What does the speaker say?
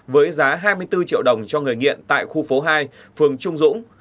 với giá hai mươi bốn triệu đồng cho người nghiện tại khu phố hai phường trung dũng